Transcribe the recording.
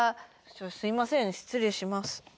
すいません失礼します。